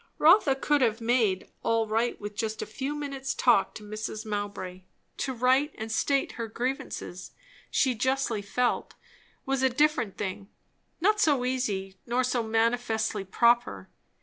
Rotha could have made all right with a few minutes' talk to Mrs. Mowbray; to write and state her grievances, she justly felt, was a different thing, not so easy nor so manifestly proper.